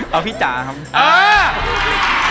เอาพี่จ๋าครับ